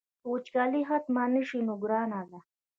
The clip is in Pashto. که وچکالي ختمه نه شي نو ګرانه ده.